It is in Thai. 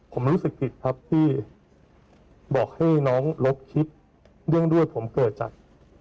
ผมรู้สึกผิดครับที่บอกให้น้องลบคิดเรื่องด้วยผมเกิดจาก